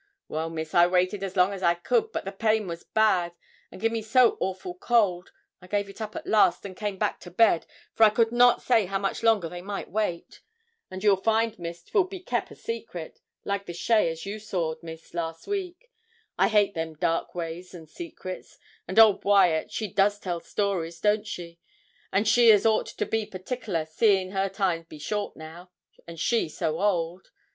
'Well, Miss, I waited as long as I could; but the pain was bad, and me so awful cold; I gave it up at last, and came back to bed, for I could not say how much longer they might wait. And you'll find, Miss,'twill be kep' a secret, like the shay as you saw'd, Miss, last week. I hate them dark ways, and secrets; and old Wyat she does tell stories, don't she? and she as ought to be partickler, seein' her time be short now, and she so old.